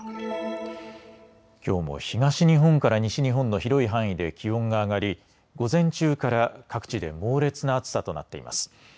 きょうも東日本から西日本の広い範囲で気温が上がり午前中から各地で猛烈な暑さとなっています。